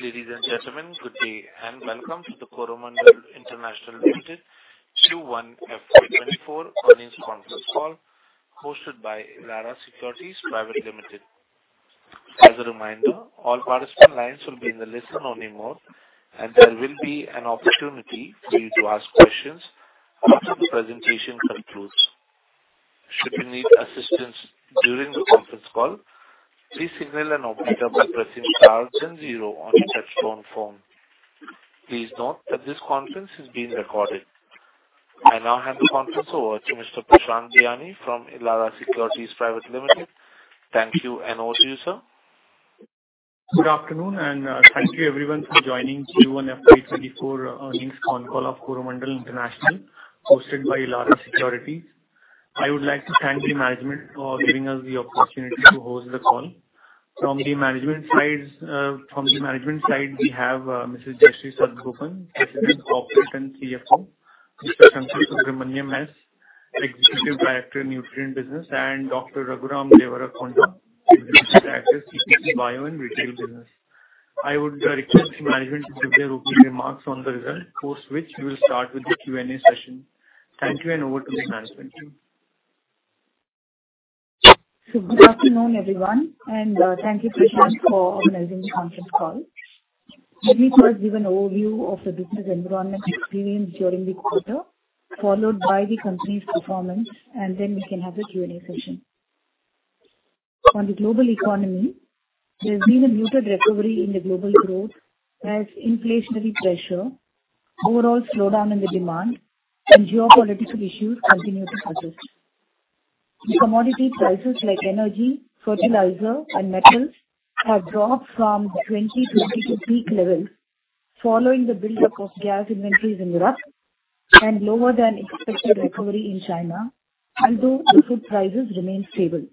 Ladies and gentlemen, good day, welcome to the Coromandel International Limited Q1 FY 2024 earnings conference call, hosted by Elara Securities Private Limited. As a reminder, all participant lines will be in the listen-only mode, there will be an opportunity for you to ask questions after the presentation concludes. Should you need assistance during the conference call, please signal an operator by pressing star then zero on your touch-tone phone. Please note that this conference is being recorded. I now hand the conference over to Mr. Prashant Biyani from Elara Securities Private Limited. Thank you, over to you, sir. Good afternoon, and thank you everyone for joining Q1 FY 2024 earnings con call of Coromandel International, hosted by Elara Securities. I would like to thank the management for giving us the opportunity to host the call. From the management side, we have Mrs. Jayashree Satagopan, President, Corporate and CFO, Mr. Sankarasubramanian S, Executive Director, Nutrient Business, and Dr. Raghuram Devarakonda, Executive Director, CPC, Bio and Retail Business. I would request the management to give their opening remarks on the results, post which we will start with the Q&A session. Thank you, over to the management. Good afternoon, everyone, and thank you, Prashant, for organizing the conference call. Let me first give an overview of the business environment experienced during the quarter, followed by the company's performance, and then we can have the Q&A session. On the global economy, there's been a muted recovery in the global growth as inflationary pressure, overall slowdown in the demand, and geopolitical issues continue to persist. The commodity prices like energy, fertilizer, and metals have dropped from 2022 peak levels following the buildup of gas inventories in Europe and lower than expected recovery in China, although the food prices remain stable.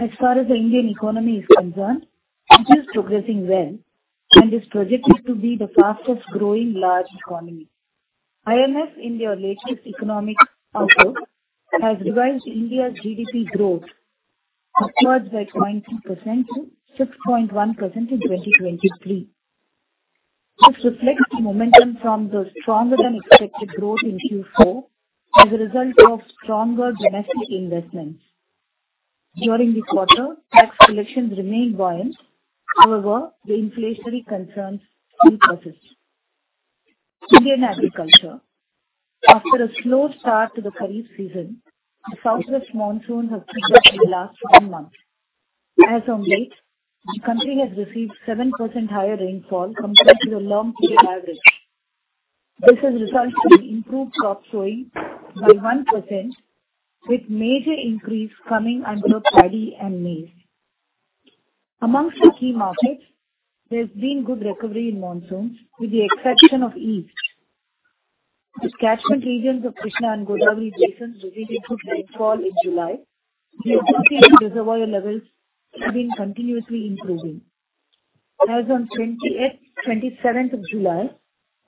As far as the Indian economy is concerned, it is progressing well and is projected to be the fastest growing large economy. IMF, in their latest economic outlook, has revised India's GDP growth upwards by 0.2% to 6.1% in 2023. This reflects the momentum from the stronger than expected growth in Q4 as a result of stronger domestic investments. During the quarter, tax collections remained buoyant. However, the inflationary concerns still persist. Indian agriculture. After a slow start to the Kharif season, the southwest monsoon has picked up in the last 1 month. As on date, the country has received 7% higher rainfall compared to the long period average. This has resulted in improved crop sowing by 1%, with major increase coming under paddy and maize. Amongst the key markets, there's been good recovery in monsoons, with the exception of east. The catchment regions of Krishna and Godavari basins received a good rainfall in July. The utility and reservoir levels have been continuously improving. As on 28th-- 27th of July,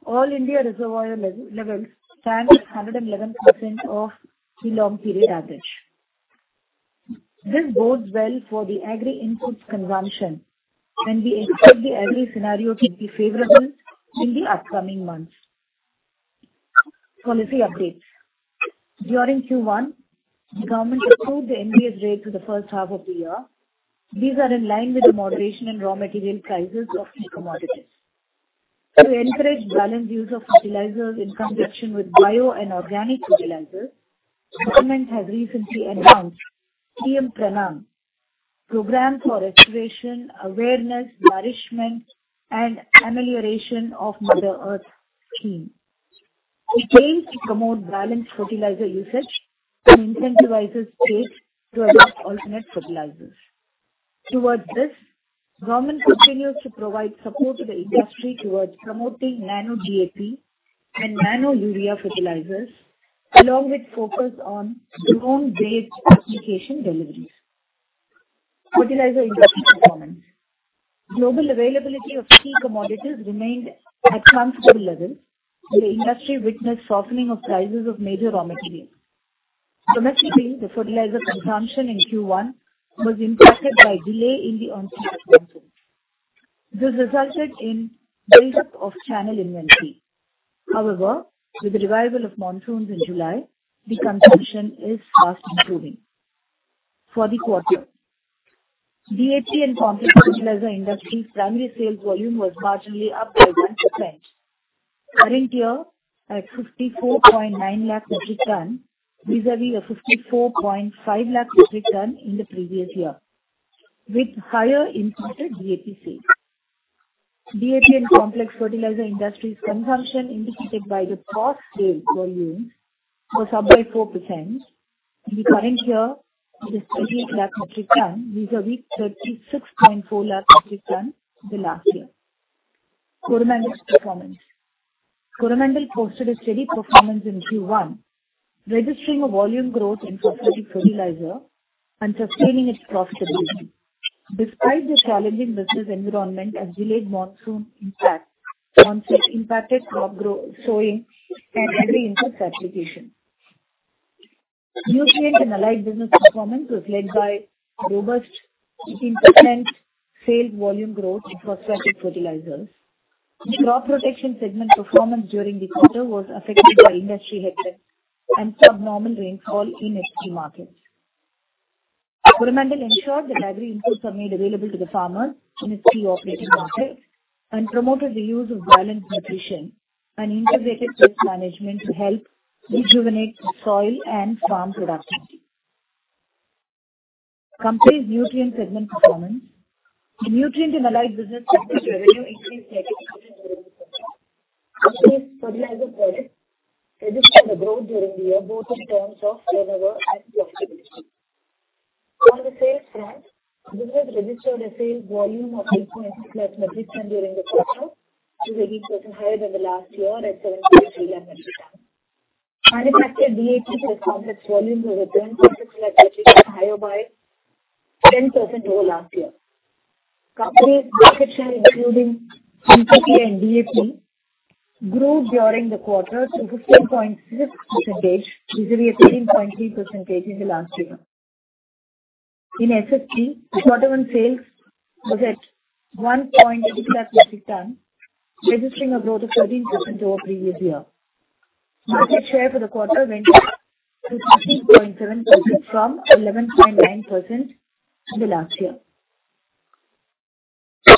all India reservoir lev- levels stand at 111% of the long period average. This bodes well for the agri input consumption, and we expect the agri scenario to be favorable in the upcoming months. Policy updates. During Q1, the government approved the NBS rates for the first half of the year. These are in line with the moderation in raw material prices of key commodities. To encourage balanced use of fertilizers in conjunction with bio and organic fertilizers, the government has recently announced PM-PRANAM, Program for Activation, Awareness, Nourishment, and Amelioration of Mother Earth scheme. It aims to promote balanced fertilizer usage and incentivizes states to adopt alternate fertilizers. Towards this, government continues to provide support to the industry towards promoting Nano DAP and Nano Urea fertilizers, along with focus on drone-based application deliveries. Fertilizer industry performance. Global availability of key commodities remained at comfortable levels, and the industry witnessed softening of prices of major raw materials. Domestically, the fertilizer consumption in Q1 was impacted by delay in the onset of monsoons. This resulted in buildup of channel inventory. However, with the revival of monsoons in July, the consumption is fast improving. For the quarter, DAP and complex fertilizer industry's primary sales volume was marginally up by 1% current year, at 54.9 lakh metric ton, vis-a-vis a 54.5 lakh metric ton in the previous year, with higher imported DAP sales. DAP and complex fertilizer industry's consumption, indicated by the cross-sale volume, was up by 4% in the current year, to 38 lakh metric ton, vis-a-vis 36.4 lakh metric ton the last year. Coromandel's performance. Coromandel posted a steady performance in Q1, registering a volume growth in phosphate fertilizer and sustaining its profitability. Despite the challenging business environment, a delayed monsoon impacted crop grow, sowing, and agri input application. Nutrient and Allied business performance was led by robust in-segment sales volume growth in phosphate fertilizers. The crop protection segment performance during the quarter was affected by industry headset and subnormal rainfall in its key markets. Coromandel ensured that agri-inputs were made available to the farmers in its key operating markets and promoted the use of balanced nutrition and integrated waste management to help rejuvenate the soil and farm productivity. Company's nutrient segment performance: The nutrient and allied business segment revenue increased 38%. Company's fertilizer products registered a growth during the year, both in terms of turnover and profitability. On the sales front, the business registered a sales volume of 8.6 lakh metric ton during the quarter, 2% higher than the last year at 7.3 lakh metric ton. Manufactured DAP and complex volumes of over 10% lakh metric ton, higher by 10% over last year. Company's market share, including NPK and DAP, grew during the quarter to 15.6%, viz-a-viz 18.3% in the last year. In SSP, the quarter one sales was at 1.8 lakh metric ton, registering a growth of 13% over previous year. Market share for the quarter went to 16.7% from 11.9% in the last year.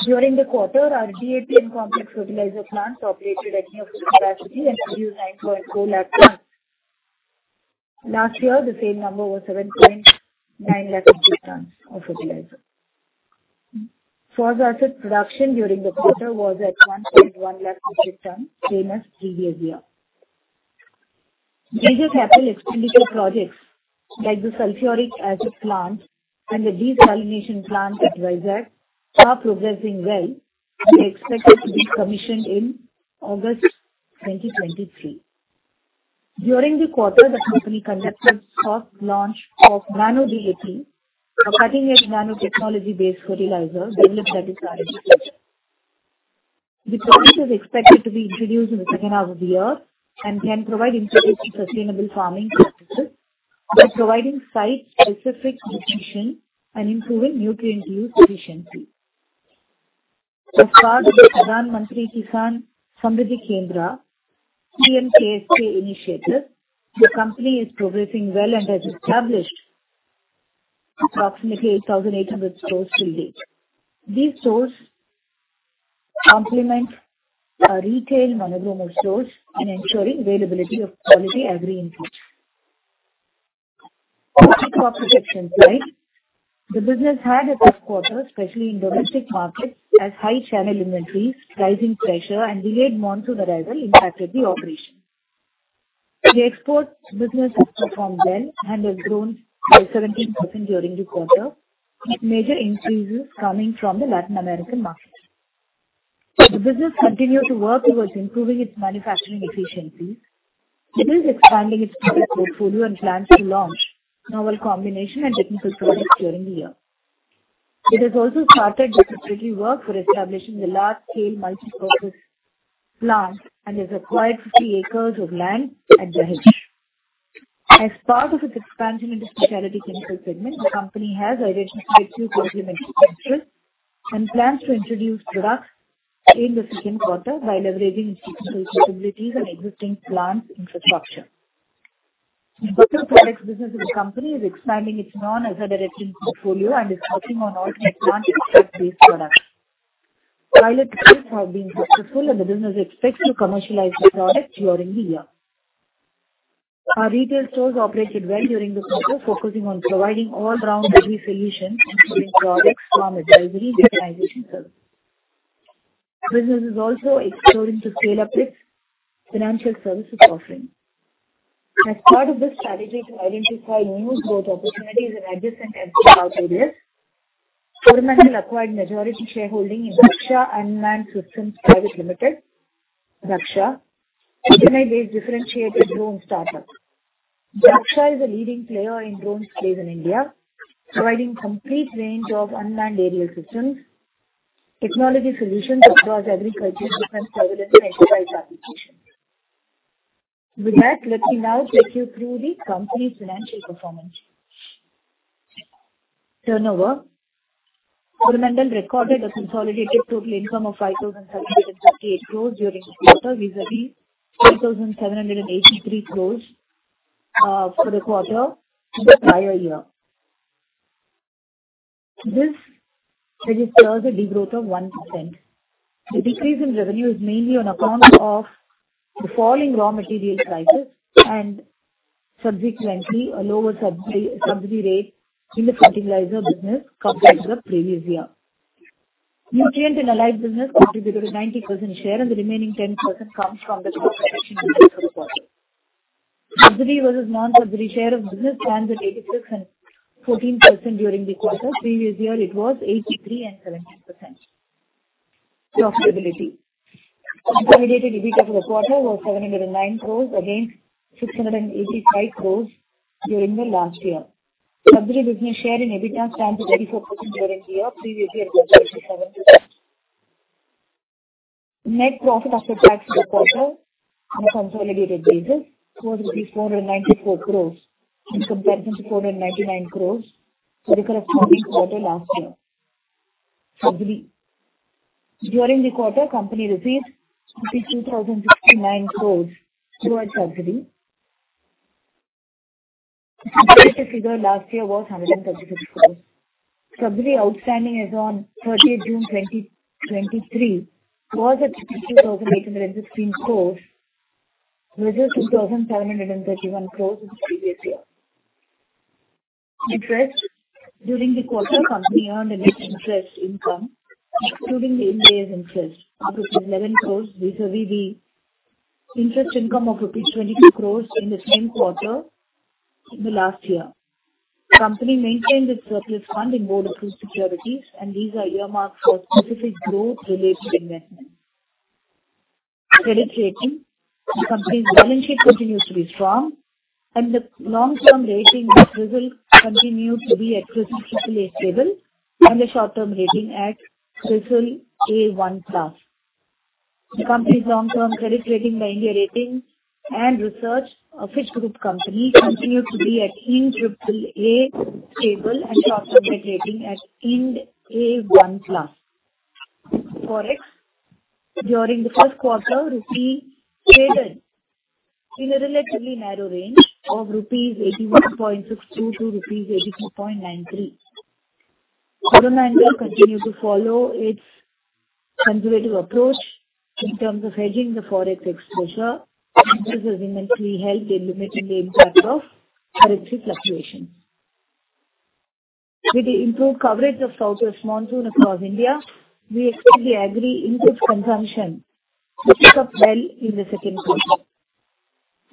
During the quarter, our DAP and complex fertilizer plants operated at near full capacity and produced 9.4 lakh ton. Last year, the same number was 7.9 lakh metric ton of fertilizer. Phosphoric acid production during the quarter was at 1.1 lakh metric ton, same as previous year. Major capital expenditure projects, like the sulphuric acid plant and the desalination plant at Vizag are progressing well and are expected to be commissioned in August 2023. During the quarter, the company conducted first launch of Nano DAP, a cutting-edge nanotechnology-based fertilizer developed at its R&D center. The product is expected to be introduced in the second half of the year and can provide integrated sustainable farming practices by providing site-specific nutrition and improving nutrient use efficiency. As part of the Pradhan Mantri Kisan Samriddhi Kendra, PMKSK initiative, the company is progressing well and has established approximately 8,800 stores till date. These stores complement our retail monobrand stores in ensuring availability of quality agri-inputs. Crop protection side, the business had a tough quarter, especially in domestic markets, as high channel inventories, rising pressure, and delayed monsoon arrival impacted the operations. The export business has performed well and has grown by 17% during the quarter, with major increases coming from the Latin American markets. The business continued to work towards improving its manufacturing efficiency. The business is expanding its product portfolio and plans to launch novel combination and technical products during the year. It has also started the preparatory work for establishing a large-scale multipurpose plant and has acquired 50 acres of land at Dahej. As part of its expansion into specialty chemical segment, the company has identified two potential ventures and plans to introduce products in the second quarter by leveraging its technical capabilities and existing plant infrastructure. The special products business of the company is expanding its non-Azadirachtin portfolio and is focusing on organic plant extract-based products. Pilot tests have been successful, and the business is expected to commercialize the product during the year. Our retail stores operated well during the quarter, focusing on providing all-round agri solutions, including products, farm advisory, and digitization services. Business is also exploring to scale up its financial services offering. As part of the strategy to identify new growth opportunities in adjacent and key areas, Coromandel acquired majority shareholding in Dhaksha Unmanned Systems Private Limited, Dhaksha, an AI-based differentiated drone startup. Dhaksha is a leading player in drone space in India, providing complete range of unmanned aerial systems, technology solutions across agriculture, defense, surveillance, and enterprise applications. With that, let me now take you through the company's financial performance. Turnover. Coromandel recorded a consolidated total income of 5,758 crore during the quarter, vis-à-vis 4,783 crore for the quarter in the prior year. This registers a degrowth of 1%. The decrease in revenue is mainly on account of the falling raw material prices and subsequently a lower subsidy, subsidy rate in the fertilizer business compared to the previous year. Nutrient and Allied business contributed a 90% share, and the remaining 10% comes from the Crop Protection business for the quarter. Subsidy versus non-subsidy share of business stands at 86% and 14% during the quarter. Previous year, it was 83% and 17%. Profitability. Consolidated EBITDA for the quarter was 709 crore against 685 crore during the last year. Subsidy business share in EBITDA stands at 84% during the year. Previous year, it was 87%. Net profit after tax for the quarter on a consolidated basis was 494 crores, in comparison to 499 crores for the corresponding quarter last year. Subsidy. During the quarter, company received 2,069 crores towards subsidy. The figure last year was 136 crores. Subsidy outstanding as on June 30, 2023, was at 2,816 crores, reduced from 2,731 crores in the previous year. Interest. During the quarter, company earned a net interest income, including the interest, of INR 11 crores, vis-à-vis the interest income of INR 22 crores in the same quarter in the last year. Company maintained its surplus fund in board of trade securities. These are earmarked for specific growth-related investments. Credit rating. The company's balance sheet continues to be strong, and the long-term rating of CRISIL continues to be at CRISIL AAA stable and the short-term rating at CRISIL A One Class. The company's long-term credit rating by India Ratings and Research, a Fitch Group company, continued to be at IND AAA stable and short-term rating at IND A One Class. Forex, during the 1st quarter, rupee traded in a relatively narrow range of rupees 81.62 to rupees 82.93. Coromandel continued to follow its conservative approach in terms of hedging the forex exposure, which has immensely helped in limiting the impact of currency fluctuations. With the improved coverage of Southwest Monsoon across India, we expect the agri input consumption to pick up well in the second quarter.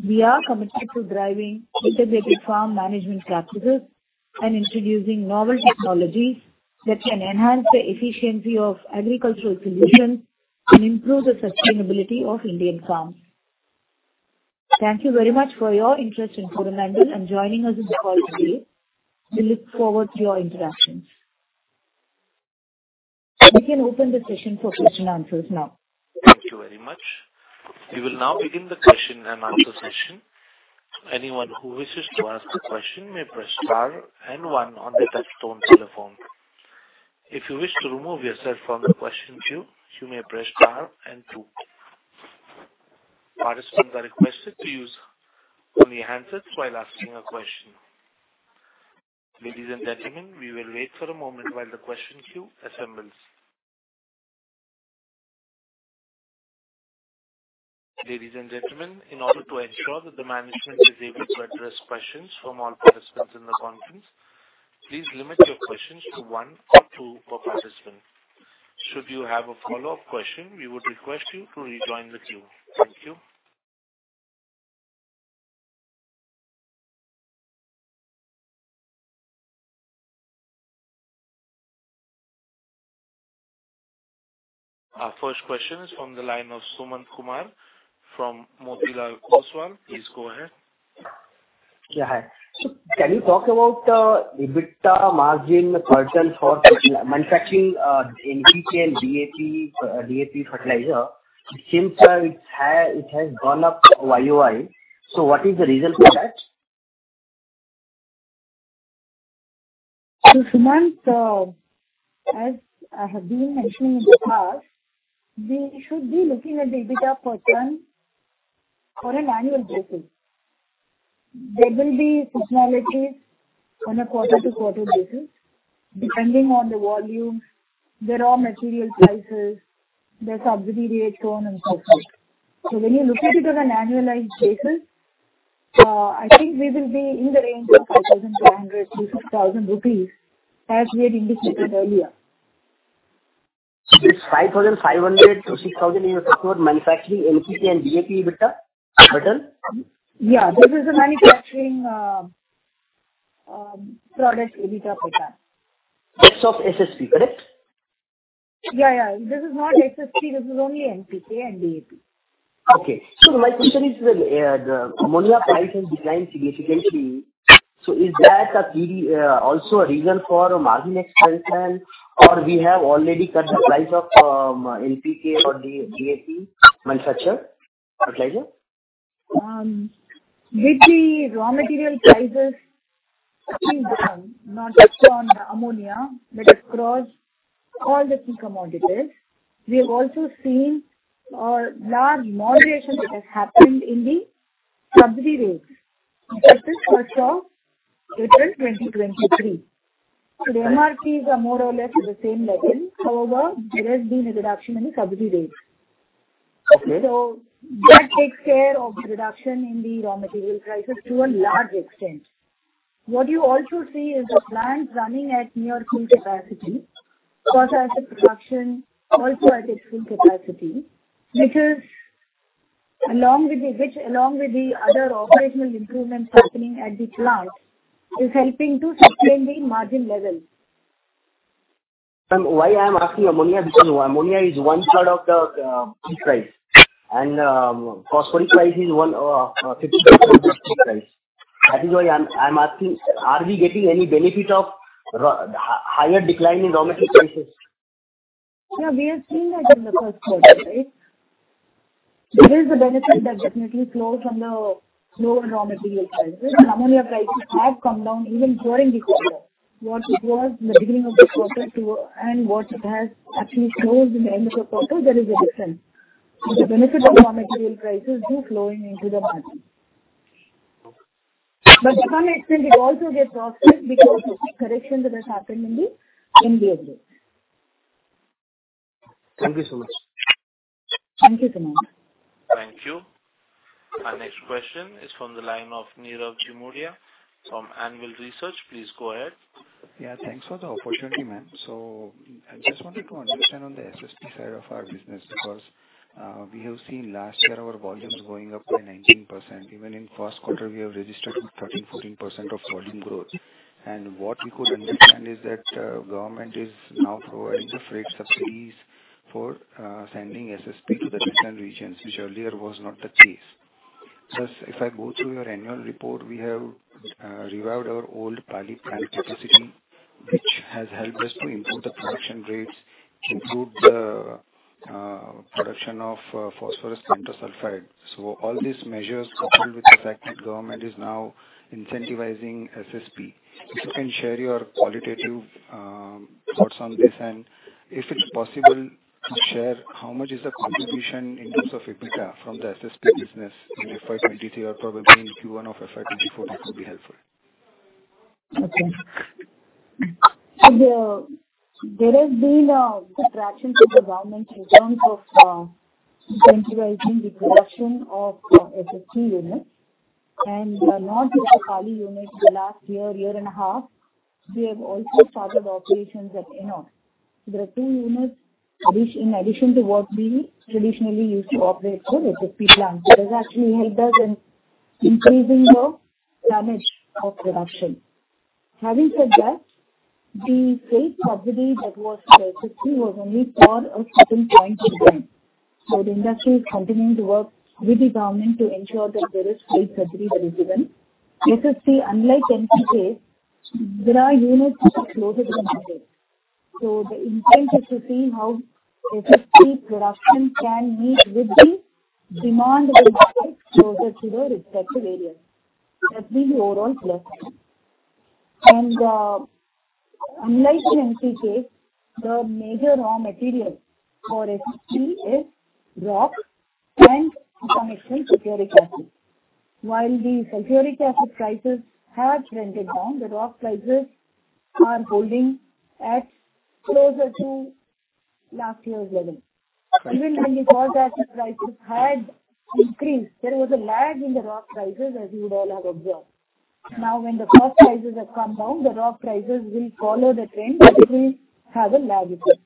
We are committed to driving integrated farm management practices and introducing novel technologies that can enhance the efficiency of agricultural solutions and improve the sustainability of Indian farms. Thank you very much for your interest in Coromandel International and joining us on the call today. We look forward to your interactions. We can open the session for question and answers now. Thank you very much. We will now begin the question and answer session. Anyone who wishes to ask a question may press star and one on the touchtone telephone. If you wish to remove yourself from the question queue, you may press star and two. Participants are requested to use only handsets while asking a question. Ladies and gentlemen, we will wait for a moment while the question queue assembles. Ladies and gentlemen, in order to ensure that the management is able to address questions from all participants in the conference, please limit your questions to one or two per participant. Should you have a follow-up question, we would request you to rejoin the queue. Thank you. Our first question is from the line of Sumant Kumar from Motilal Oswal. Please go ahead. Yeah, hi. Can you talk about EBITDA margin % for manufacturing NPK and DAP, DAP fertilizer, since it has gone up YOY, so what is the reason for that? Suman, as I have been mentioning in the past, we should be looking at the EBITDA % on an annual basis. There will be seasonalities on a quarter-to-quarter basis, depending on the volumes, the raw material prices, the subsidy rate trend, and so forth. When you look at it on an annualized basis, I think we will be in the range of 5,500-6,000 rupees, as we had indicated earlier. This 5,500-6,000 is for manufacturing NPK and DAP EBITDA margin? Yeah, this is the manufacturing product EBITDA%. That's of SSP, correct? Yeah, yeah. This is not SSP, this is only NPK and DAP. Okay. So my question is, the ammonia price has declined significantly. Is that a PD also a reason for margin expansion, or we have already cut the price of NPK or DAP manufacture fertilizer? With the raw material prices came down, not just on ammonia, but across all the key commodities. We have also seen a large moderation that has happened in the subsidy rates since first of April 2023. The MRPs are more or less at the same level. However, there has been a reduction in the subsidy rates. Okay. That takes care of the reduction in the raw material prices to a large extent. What you also see is the plants running at near full capacity, phosphate production also at its full capacity, which along with the other operational improvements happening at the plant, is helping to sustain the margin levels. Why I'm asking ammonia, because ammonia is 1/3 of the price, and phosphorus price is 50% price. That is why I'm asking, are we getting any benefit of higher decline in raw material prices? Yeah, we are seeing that in the first quarter, right? There is a benefit that definitely flow from the lower raw material prices. The ammonia prices have come down even during the quarter. What it was in the beginning of the quarter to and what it has actually closed in the end of the quarter, there is a difference. The benefit of raw material prices is flowing into the margin. Okay. To some extent, we also get offset because of the correction that has happened in the international rate. Thank you so much. Thank you, Sumant. Thank you. Our next question is from the line of Nirav Jimudia from Anvil Research. Please go ahead. Thanks for the opportunity, ma'am. I just wanted to understand on the SSP side of our business, because we have seen last year our volumes going up by 19%. Even in first quarter, we have registered 13%, 14% of volume growth. What we could understand is that government is now providing the freight subsidies for sending SSP to the regional regions, which earlier was not the case. If I go through your annual report, we have revived our old Pali plant capacity, which has helped us to improve the production rates, improve the production of phosphorus pentasulfide. All these measures, coupled with the fact that government is now incentivizing SSP. If you can share your qualitative thoughts on this, and if it's possible to share, how much is the contribution in terms of EBITDA from the SSP business in FY 23 or probably in Q1 of FY 24, that would be helpful. Okay. There, there has been good traction with the government in terms of incentivizing the production of SSP units. Not just the Pali unit, the last year, year and a half, we have also started operations at Ennore. There are 2 units, which in addition to what we traditionally used to operate through SSP plant, that has actually helped us in increasing the tonnage of production. Having said that, the freight subsidy that was previously was only for a certain point in time. The industry is continuing to work with the government to ensure that there is freight subsidy that is given. SSP, unlike NPK, there are units which are closer to the market. The intent is to see how SSP production can meet with the demand closer to the respective areas. That's the overall plus. Unlike in NPK, the major raw material for SSP is rock and to some extent, sulfuric acid. While the sulfuric acid prices have trended down, the rock prices are holding at closer to last year's level. Even when the sulph acid prices had increased, there was a lag in the rock prices, as you would all have observed. Now, when the first prices have come down, the rock prices will follow the trend, but it will have a lag effect.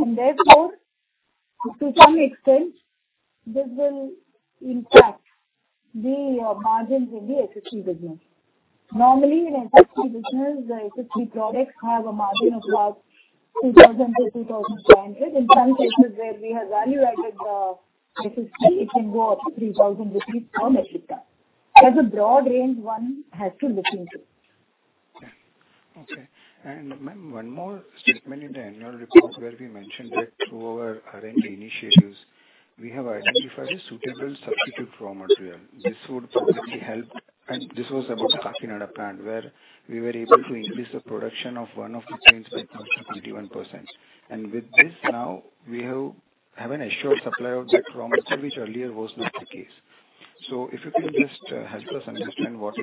Therefore, to some extent, this will impact the margins in the SSP business. Normally, in SSP business, the SSP products have a margin of about 2,000-2,500. In some cases where we have value-added SSP, it can go up to 3,000 rupees per metric ton. That's a broad range one has to look into. Okay. Ma'am, one more statement in the annual report where we mentioned that through our R&D initiatives, we have identified a suitable substitute raw material. This would probably help... This was about the Kakinada plant, where we were able to increase the production of one of the trains by 31%. With this now, we have, have an assured supply of that raw material, which earlier was not the case. If you can just help us understand what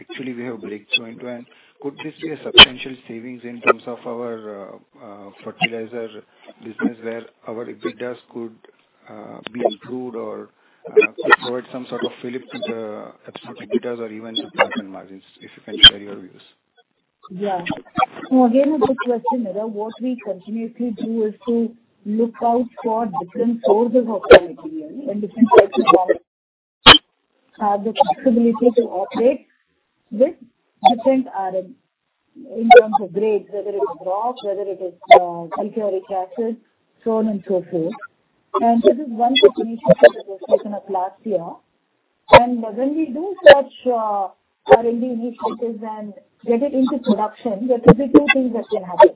actually we have breakthrough into, and could this be a substantial savings in terms of our fertilizer business, where our EBITDA could be improved or could provide some sort of uplift to the absolute EBITDA or even supply and margins, if you can share your views? Yeah. Again, a good question, Niraj. What we continuously do is to look out for different sources of raw material and different types of raw, the possibility to operate with different RM in terms of grades, whether it is rock, whether it is sulfuric acid, so on and so forth. This is one such initiative that was taken up last year. When we do such R&D initiatives and get it into production, there could be 2 things that can happen.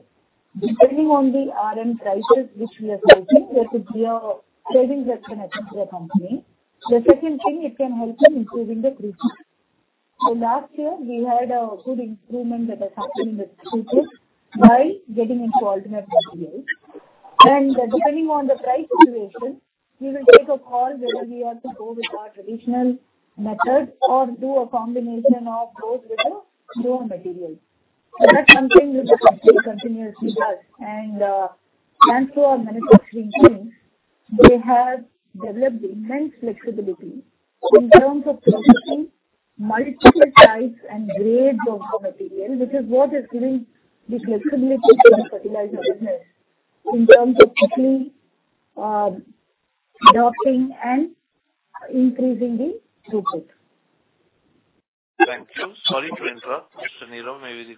Depending on the RM prices which we are facing, there could be a savings that can happen to the company. The second thing, it can help in improving the throughput. Last year, we had a good improvement that has happened in the throughput by getting into alternate materials. Depending on the price situation, we will take a call whether we want to go with our traditional method or do a combination of both with the raw materials. That's something that the company continuously does. Thanks to our manufacturing teams, they have developed immense flexibility in terms of processing multiple types and grades of the material, which is what is giving the flexibility to the fertilizer business in terms of quickly docking and increasing the throughput. Thank you. Sorry to interrupt, Mr. Nirav, maybe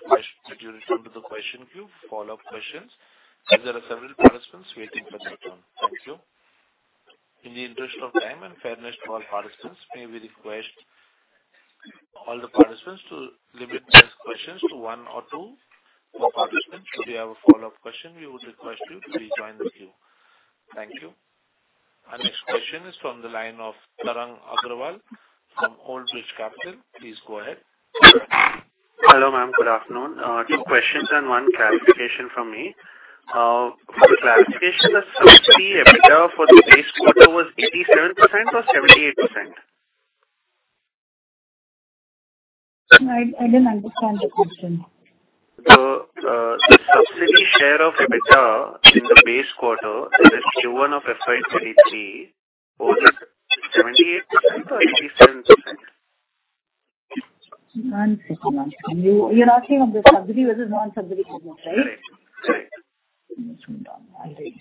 could you return to the question queue for follow-up questions, as there are several participants waiting for their turn. Thank you. In the interest of time and fairness to all participants, may we request all the participants to limit these questions to one or two per participant. Should you have a follow-up question, we would request you to rejoin the queue. Thank you. Our next question is from the line of Tarang Agrawal from Old Bridge Capital. Please go ahead. Hello, ma'am. Good afternoon. two questions and one clarification from me. for the clarification, the subsidy EBITDA for the base quarter was 87% or 78%? I, I didn't understand the question. The, the subsidy share of EBITDA in the base quarter, in the Q1 of FY 23, was it 78% or 87%? One second. You, you're asking of the subsidy versus non-subsidy business, right? Correct. Correct. I read.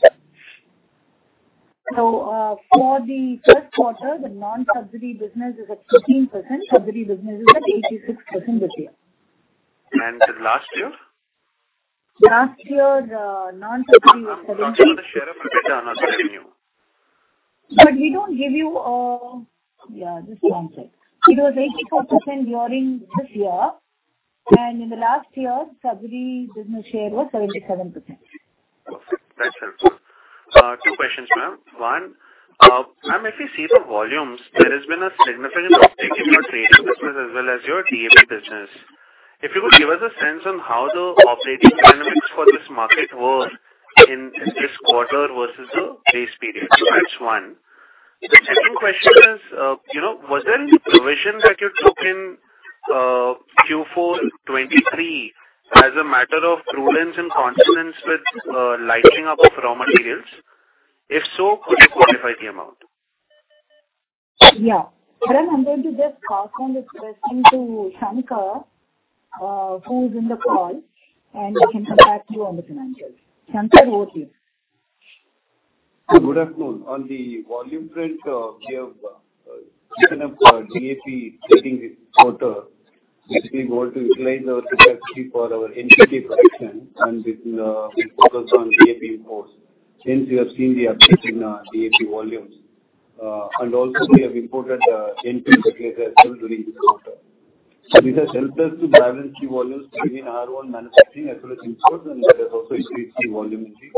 For the first quarter, the non-subsidy business is at 15%, subsidy business is at 86% this year. The last year? Last year, non-subsidy was 70 Share of EBITDA, not subsidy. we don't give you... Yeah, just one second. It was 84% during this year, and in the last year, subsidy business share was 77%. Perfect. Thanks, ma'am. two questions, ma'am. One, ma'am, if you see the volumes, there has been a significant uptick in your trade business as well as your DAP business. If you could give us a sense on how the operating dynamics for this market were in, in this quarter versus the base period. That's one. The second question is, you know, was there any provision that you took in Q4 2023 as a matter of prudence and consonance with lighting up of raw materials? If so, could you qualify the amount? Yeah. Tarang, I'm going to just pass on this question to Shankar, who is in the call, and he can get back to you on the financials. Shankar, over to you. Good afternoon. On the volume front, we have taken up DAP trading this quarter. We've been able to utilize our capacity for our NPK production and with focus on DAP imports, since we have seen the uptick in DAP volumes. Also, we have imported NPK as well during this quarter. This has helped us to balance the volumes between our own manufacturing as well as imports, and that has also increased the volume increase.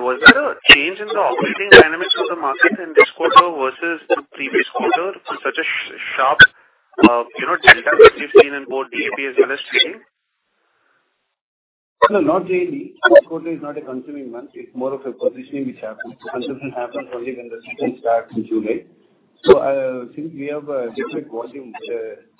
Was there a change in the operating dynamics of the market in this quarter versus the previous quarter for such a sharp, you know, delta that you've seen in both DAP as well as steering? No, not really. This quarter is not a consuming month. It's more of a positioning which happens. Consumption happens only when the season starts in July. Since we have a different volume,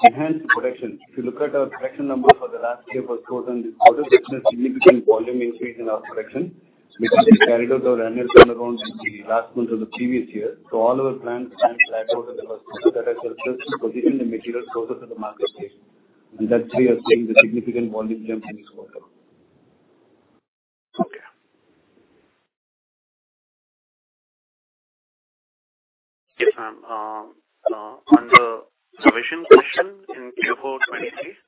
enhanced production, if you look at our production number for the last year first quarter, and this quarter there's been a significant volume increase in our production, which has carried out the annual turnaround in the last month of the previous year. All our plants and flats out in the first quarter that has helped us position the material closer to the market space, and that's why you're seeing the significant volume jump in this quarter. Okay. Yes, ma'am, on the revision question in Q4 2023?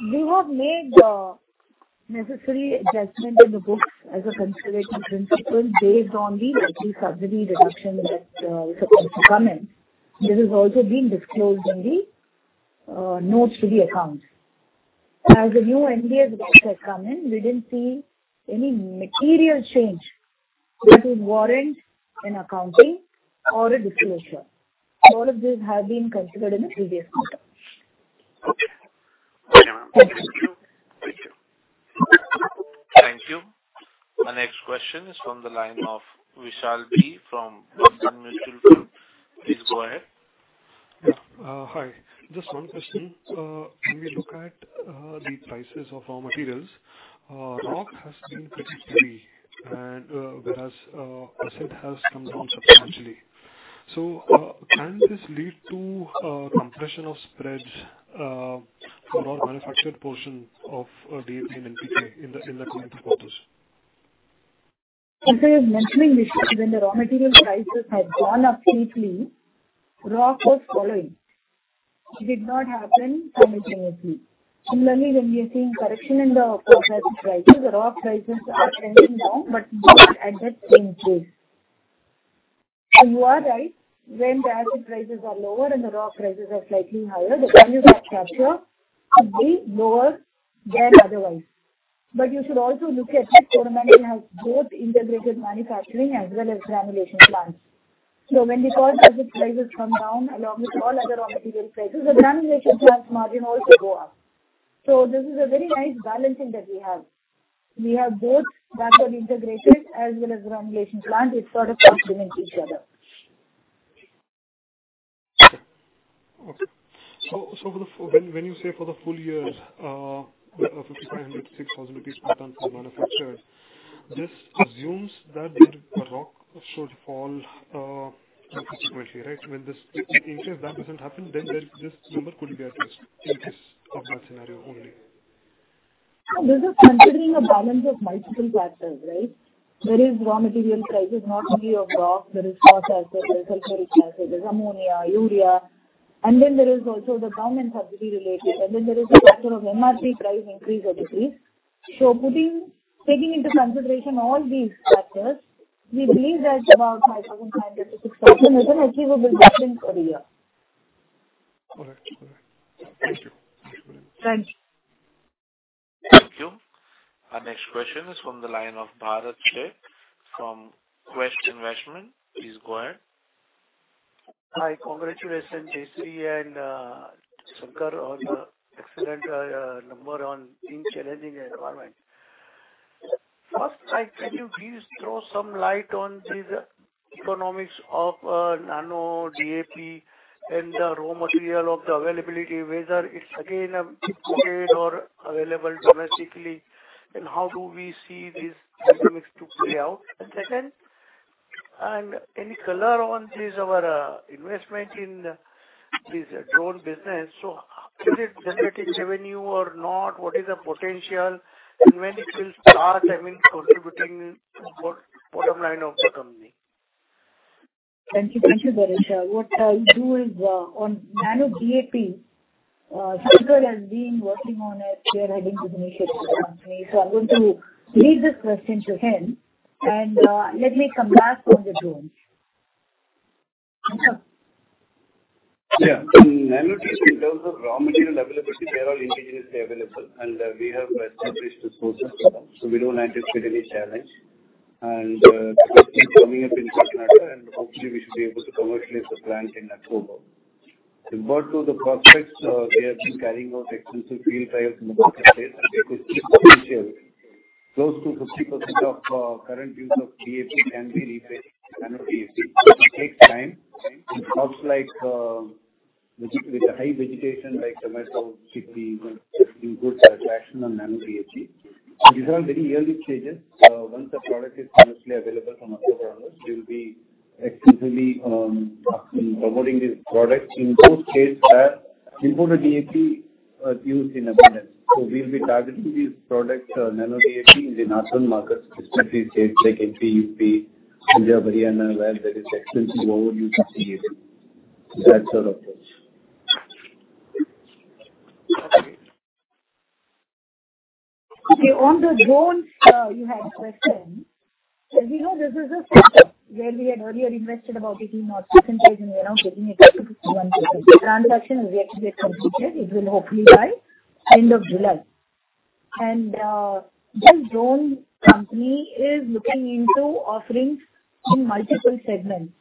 We have made necessary adjustment in the books as a conservation principle based on the subsidy reduction that was supposed to come in. This has also been disclosed in the notes to the accounts. As the new NBS rates have come in, we didn't see any material change that is warrant in accounting or a disclosure. All of this has been considered in the previous quarter. Okay. Okay, ma'am. Thank you. Thank you. Thank you. Our next question is from the line of Vishal B. from Bandhan Mutual Fund. Please go ahead. Hi. Just one question. When we look at the prices of our materials, rock has been pretty steady, and whereas, acid has come down substantially. Can this lead to compression of spreads for our manufactured portion of DAP and NPK in the coming quarters? As I was mentioning, Vishal, when the raw material prices had gone up deeply, rock was following. It did not happen simultaneously. Similarly, when you're seeing correction in the prices, the rock prices are trending down, but not at the same pace. You are right, when the acid prices are lower and the rock prices are slightly higher, the value structure could be lower than otherwise. You should also look at that Fonterra has both integrated manufacturing as well as granulation plants. When the core acid prices come down, along with all other raw material prices, the granulation plants margin also go up. This is a very nice balancing that we have. We have both backward integrated as well as granulation plants. It sort of complements each other. Okay. When you say for the full year, 5,500 per ton-INR 6,000 per ton for manufactured, this assumes that the rock should fall, consequently, right? In case that doesn't happen, then this number could be at risk, in case of that scenario only. This is considering a balance of multiple factors, right? There is raw material prices, not only of rock, there is sulfuric acid, there's ammonia, urea. Then there is also the government subsidy related, and then there is a factor of MRP price increase or decrease. Taking into consideration all these factors, we believe that about 5,500 million-6,000 million achievable business for the year. Correct. Correct. Thank you. Thank you very much. Thank you. Thank you. Our next question is from the line of Bharat Sheth from Quest Investment Advisors. Please go ahead. Hi. Congratulations, JC and Shankar, on the excellent number on in challenging environment. First, can you please throw some light on these economics of Nano DAP and the raw material of the availability, whether it's again, imported or available domestically, and how do we see this economics to play out? Second, any color on this, our investment in this drone business. Is it generating revenue or not? What is the potential and when it will start, I mean, contributing to bottom line of the company? Thank you. Thank you, Bharat Sheth. What I'll do is, on Nano DAP, Shankar has been working on it, chairing the initiatives of the company. I'm going to leave this question to him, and let me come back on the drone. Shankar? Yeah. Nano DAP, in terms of raw material availability, they are all indigenously available, and we have established the sources for them, so we don't anticipate any challenge. The factory is coming up in Karnataka, and hopefully we should be able to commercialize the plant in October. With regard to the prospects, we have been carrying out extensive field trials in the market state, and they could see potential. Close to 50% of current use of DAP can be replaced with Nano DAP. It takes time. Crops like, with a high vegetation like tomato, chili, you know, give good traction on Nano DAP. These are very early stages. Once the product is commercially available from October onwards, we'll be extensively promoting this product in those states where imported DAP are used in abundance. We'll be targeting these products, Nano DAP, in the northern markets, especially states like MP, UP, Punjab, Haryana, where there is extensive overuse of DAP. That's our approach. Okay. On the drones, you had a question. As you know, this is a sector where we had earlier invested about 18% or 19% and we are now getting it up to 51%. The transaction is yet to get completed. It will hopefully by end of July. This drone company is looking into offerings in multiple segments.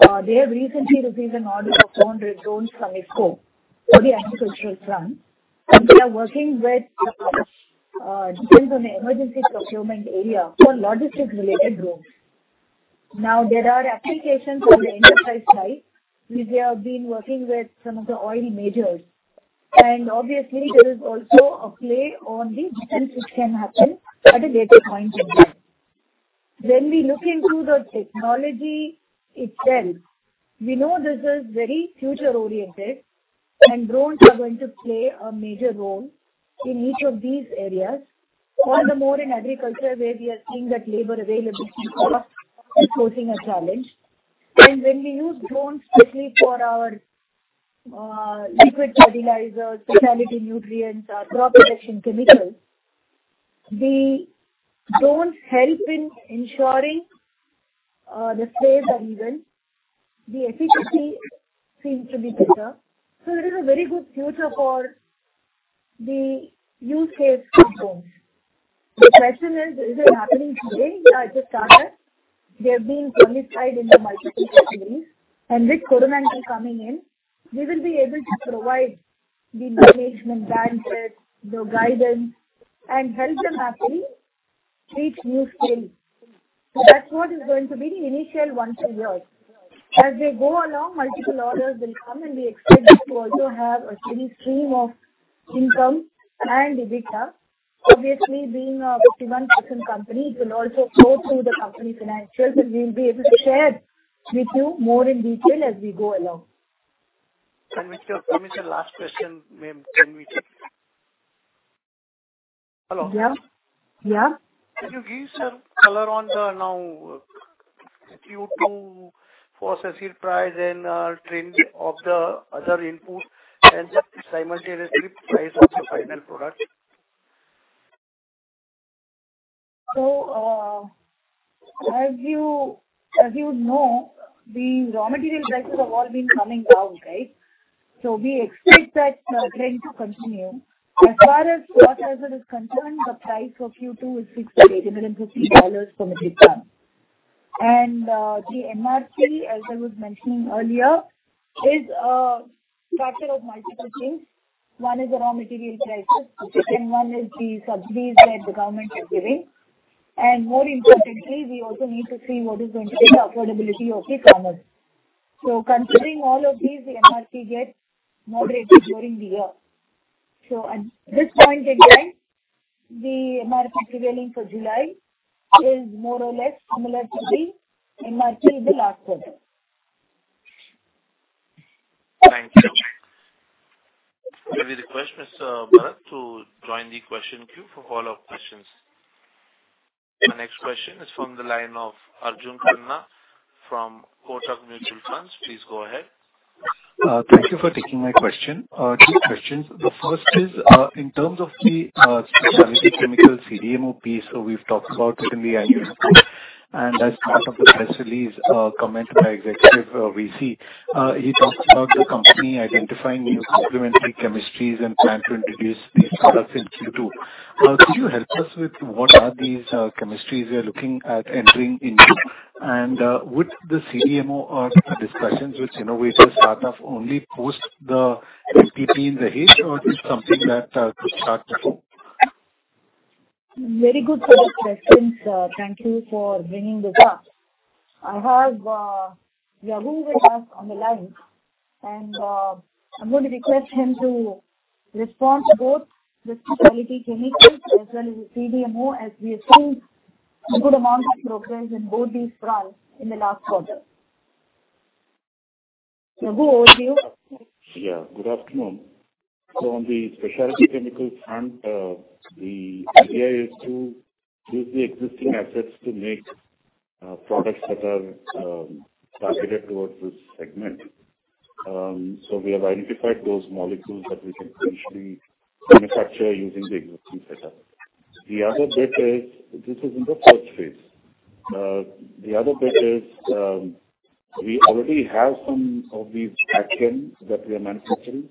They have recently received an order of 100 drones from IFFCO for the agricultural front, and they are working with defense on an emergency procurement area for logistics-related drones. Now, there are applications on the enterprise side, which they have been working with some of the oil majors. Obviously there is also a play on the defense which can happen at a later point in time. When we look into the technology itself, we know this is very future-oriented, and drones are going to play a major role in each of these areas. All the more in agriculture, where we are seeing that labor availability is posing a challenge. When we use drones, especially for our, liquid fertilizers, specialty nutrients, or Crop Protection Chemicals, the drones help in ensuring, the spray is uneven. The efficacy seems to be better. There is a very good future for the use case of drones. The question is, is it happening today? It has started. They're being solidified in the multiple settings, with governmental coming in, we will be able to provide the management bandwidth, the guidance, and help them actually reach new scales. That's what is going to be the initial one, two years. As they go along, multiple orders will come, and we expect to also have a steady stream of income and EBITDA. Obviously, being a 51% company, it will also flow through the company financials, and we'll be able to share with you more in detail as we go along. Mr., last question, ma'am, can we take? Hello. Yeah. Yeah. Could you give some color on the now Q2 for sales price and trend of the other input and simultaneously price of the final product? As you know, the raw material prices have all been coming down, right? We expect that trend to continue. As far as quarter is concerned, the price for Q2 is fixed at $850 per metric ton. The MRP, as I was mentioning earlier, is factor of multiple things. One is the raw material prices, the second one is the subsidies that the government is giving. More importantly, we also need to see what is going to be the affordability of the farmers. Considering all of these, the MRP gets moderated during the year. At this point in time, the MRP prevailing for July is more or less similar to the MRP in the last quarter. Thank you. We request Mr. Bharat to join the question queue for all our questions. Our next question is from the line of Arjun Khanna from Kotak Mutual Funds. Please go ahead. Thank you for taking my question. two questions. The first is, in terms of the specialty chemical CDMO piece, we've talked about in the annual, and as part of the press release, comment by executive, VC, he talked about the company identifying new complementary chemistries and plan to introduce these products in Q2. Could you help us with what are these chemistries we are looking at entering into? Would the CDMO discussions with innovators start off only post the STP in the heat, or is something that could start now? Very good set of questions. Thank you for bringing this up. I have Raghu with us on the line, and I'm going to request him to respond to both the specialty chemicals as well as the CDMO, as we have seen a good amount of progress in both these fronts in the last quarter. Yahu, over to you. Yeah, good afternoon. On the specialty chemicals front, the idea is to use the existing assets to make products that are targeted towards this segment. We have identified those molecules that we can potentially manufacture using the existing setup. The other bit is, this is in the first phase. The other bit is, we already have some of these actions that we are manufacturing.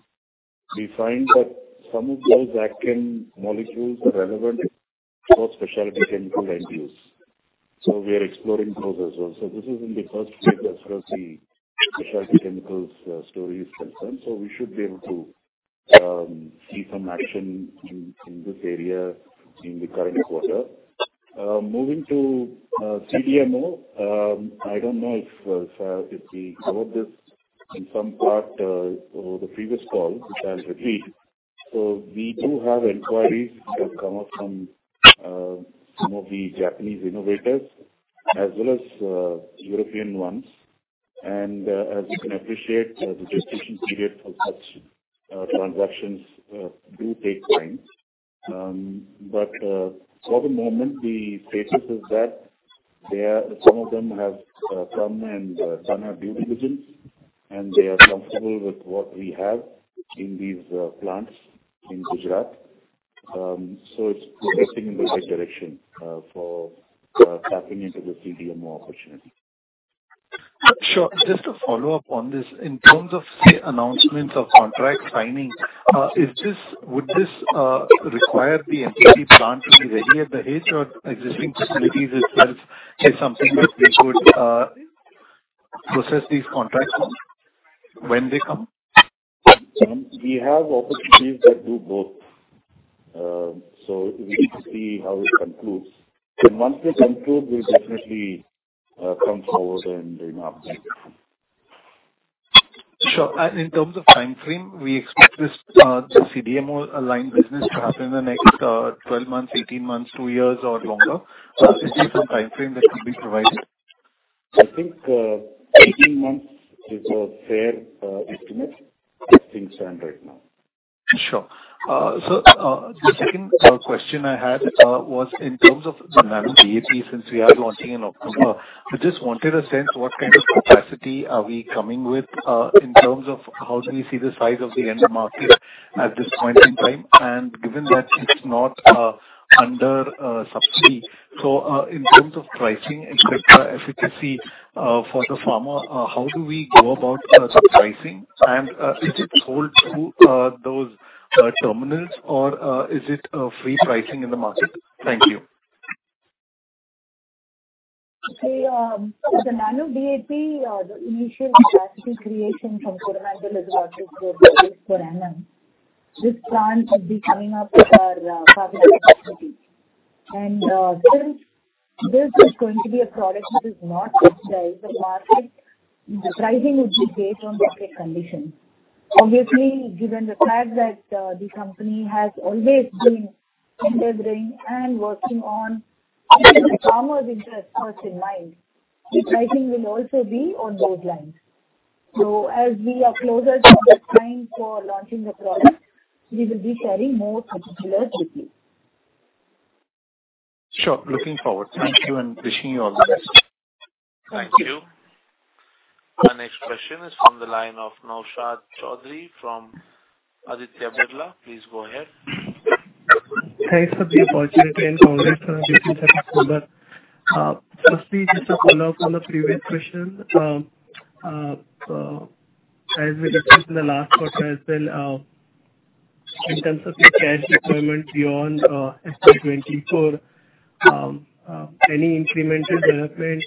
We find that some of those action molecules are relevant for specialty chemical end use, we are exploring those as well. This is in the first phase as far as the specialty chemicals story is concerned, we should be able to see some action in this area in the current quarter. Moving to CDMO. I don't know if we covered this in some part over the previous call, which I'll repeat. We do have inquiries that come up from some of the Japanese innovators as well as European ones. As you can appreciate, the discussion period for such transactions do take time. For the moment, the status is that some of them have come and some have due diligence, and they are comfortable with what we have in these plants in Gujarat. It's progressing in the right direction for tapping into the CDMO opportunity. Sure. Just to follow up on this, in terms of, say, announcements of contract signing, would this require the NPK plant to be ready at Dahej or existing facilities itself is something that they could process these contracts when they come? We have opportunities that do both. We need to see how it concludes. Once they conclude, we'll definitely come forward and announce them. Sure. In terms of timeframe, we expect this, this CDMO aligned business to happen in the next, 12 months, 18 months, 2 years, or longer? Is there some timeframe that can be provided? I think, 18 months is a fair estimate as things stand right now. Sure. The second question I had was in terms of the Nano DAP, since we are launching in October, I just wanted a sense what kind of capacity are we coming with, in terms of how do you see the size of the end market at this point in time? Given that it's not under subsidy, in terms of pricing and specter efficacy, for the pharma, how do we go about the pricing? Is it sold through those terminals, or is it free pricing in the market? Thank you. The Nano DAP, the initial capacity creation from Coromandel is about 4 million per annum. This plant will be coming up with our partner capacity. Since this is going to be a product that is not subsidized, the market, the pricing would be based on market conditions. Obviously, given the fact that the company has always been in the ring and working on keeping the farmer with the first in mind, the pricing will also be on those lines. As we are closer to the time for launching the product, we will be sharing more particulars with you. Sure. Looking forward. Thank you and wishing you all the best. Thank you. Our next question is from the line of Naushad Chaudhary from Aditya Birla. Please go ahead. Thanks for the opportunity, and congrats on the second quarter. Firstly, just to follow up on the previous question, as we discussed in the last quarter as well, in terms of the cash deployment beyond FY 2024, any incremental development,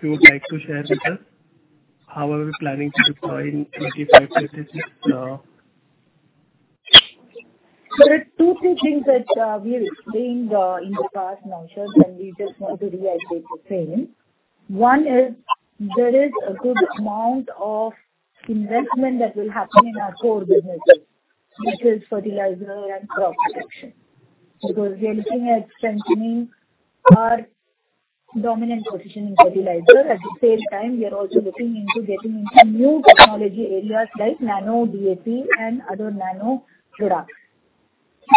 you would like to share with us? How are we planning to deploy in 25, 36? There are two, three things that we explained in the past, Naushad. We just want to reiterate the same. One is there is a good amount of investment that will happen in our core businesses, which is fertilizer and crop protection, because we are looking at expanding our dominant position in fertilizer. At the same time, we are also looking into getting into new technology areas like Nano DAP and other nano products.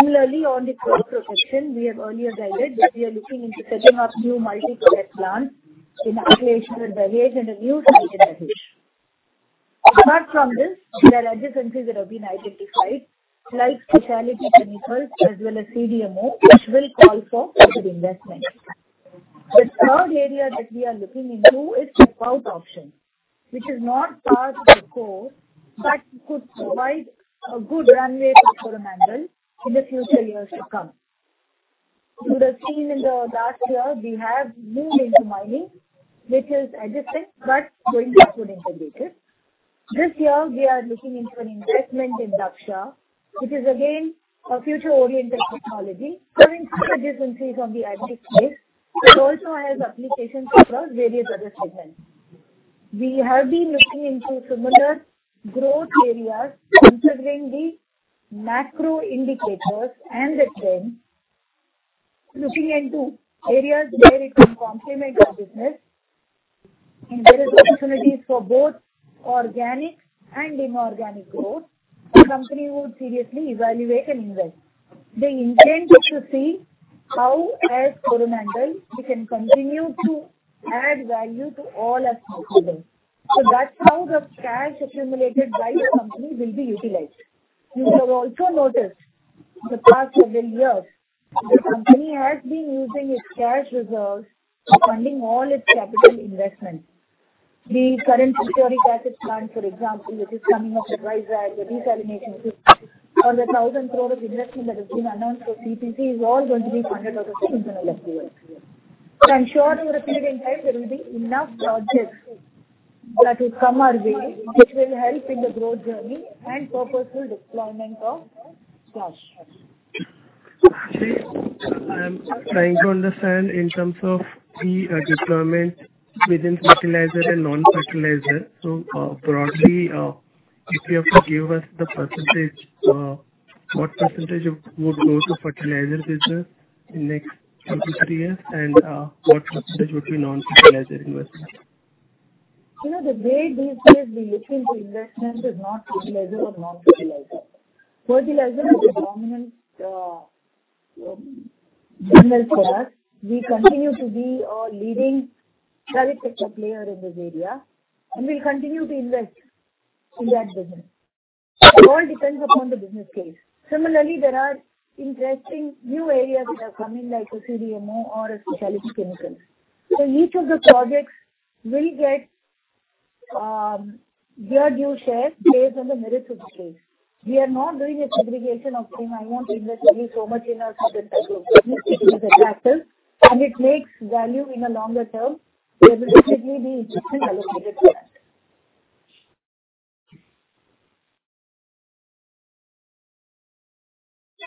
On the growth projection, we have earlier guided that we are looking into setting up new multi-product plants in Asia and the Middle East and a new target average. Apart from this, there are adjacencies that have been identified, like specialty chemicals as well as CDMO, which will call for further investment. The third area that we are looking into is the out option, which is not part of the core, but could provide a good runway for Coromandel in the future years to come. You would have seen in the last year, we have moved into mining, which is adjacent, but going forward integrated. This year we are looking into an investment in Dhaksha, which is again, a future-oriented technology. In some adjacencies have been identified, it also has applications across various other segments. We have been looking into similar growth areas, considering the macro indicators and the trends, looking into areas where it can complement our business. There is opportunities for both organic and inorganic growth. The company would seriously evaluate and invest. The intent is to see how as Coromandel, we can continue to add value to all our stakeholders. That's how the cash accumulated by the company will be utilized. You would have also noticed the past several years, the company has been using its cash reserves to funding all its capital investments. The current security capital plan, for example, which is coming up at Vizag, the desalination system, or the 1,000 crore of investment that has been announced for PTC, is all going to be funded out of internal FPO. I'm sure over a period in time, there will be enough projects that will come our way, which will help in the growth journey and purposeful deployment of cash. Okay. I am trying to understand in terms of the deployment within fertilizer and non-fertilizer. Broadly, if you have to give us the %, what % of would go to fertilizer business in next 2-3 years, and, what % would be non-fertilizer investment? You know, the way these days we look into investments is not fertilizer or non-fertilizer. Fertilizer is a dominant business for us. We continue to be a leading character player in this area, and we'll continue to invest in that business. It all depends upon the business case. Similarly, there are interesting new areas which are coming, like a CDMO or a specialty chemical. Each of the projects will get their due share based on the merits of the case. We are not doing a segregation of saying, "I want to invest only so much in our group business." It is attractive, and it makes value in the longer term, there will definitely be investment allocated to that.